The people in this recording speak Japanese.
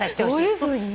どういうふうに？